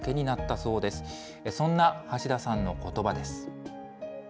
そんな橋田さんのことばです。